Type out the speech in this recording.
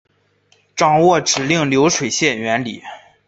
掌握指令流水线原理